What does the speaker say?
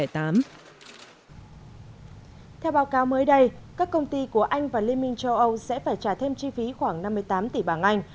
theo báo cáo mới đây các công ty của anh và liên minh châu âu sẽ phải trả thêm chi phí khoảng năm mươi tám tỷ bảng anh